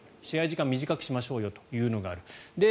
試合時間を短くしましょうよというのがある。